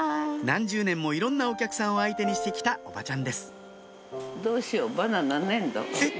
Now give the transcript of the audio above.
何十年もいろんなお客さんを相手にして来たおばちゃんですえっ！